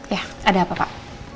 ya ada apa pak